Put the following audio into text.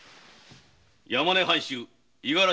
山根藩主五十嵐